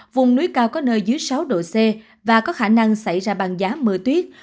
vùng núi cao có nơi dưới sáu độ c và có khả năng xảy ra băng giá mưa tuyết